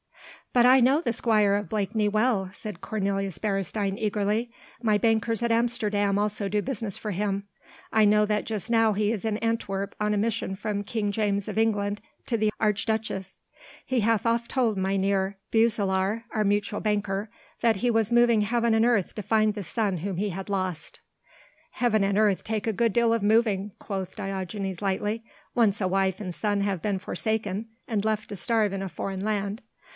"But I know the Squire of Blakeney well," said Cornelius Beresteyn eagerly, "my bankers at Amsterdam also do business for him. I know that just now he is in Antwerp on a mission from King James of England to the Archduchess. He hath oft told Mynheer Beuselaar, our mutual banker, that he was moving heaven and earth to find the son whom he had lost." "Heaven and earth take a good deal of moving," quoth Diogenes lightly, "once a wife and son have been forsaken and left to starve in a foreign land.